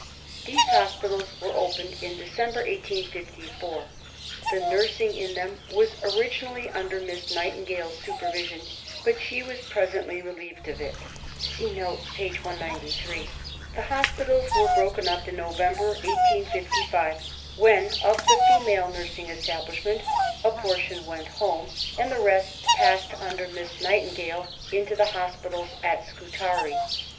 These hospitals were opened in December 1854. The nursing in them was originally under Miss Nightingale's supervision, but she was presently relieved of it (p. 193 n.). The hospitals were broken up in November 1855, when, of the female nursing establishment, a portion went home, and the rest passed under Miss Nightingale into the hospitals at Scutari.